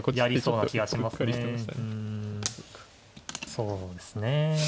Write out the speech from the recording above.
そうですねまあ